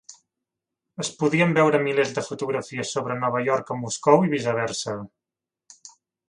Es podien veure milers de fotografies sobre Nova York a Moscou i viceversa.